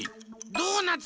ドーナツ。